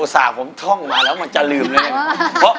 อุตส่าห์ผมท่องมาแล้วมันจะลืมเลย